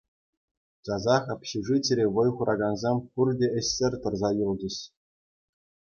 Часах общежитире вӑй хуракансем пурте ӗҫсӗр тӑрса юлчӗҫ.